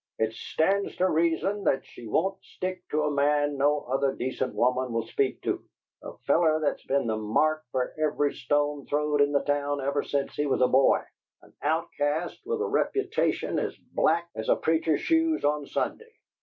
"It stands to reason that she won't stick to a man no other decent woman will speak to, a feller that's been the mark for every stone throwed in the town, ever since he was a boy, an outcast with a reputation as black as a preacher's shoes on Sunday!